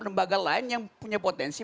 lembaga lain yang punya potensi